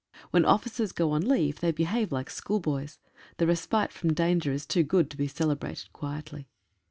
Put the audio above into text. When officers go on leave they behave like schoolboys — the respite from danger is too good to be celebrated quietly.